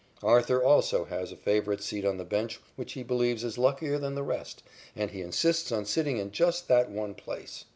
Arthur also has a favorite seat on the bench which he believes is luckier than the rest, and he insists on sitting in just that one place.